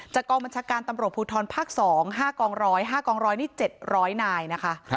จากกองบัญชาการตำรวจภูทรภาค๒๕๑๐๐๕๑๐๐นี่๗๐๐นายนะคะ